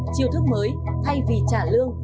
chiều thức mới thay vì trả lương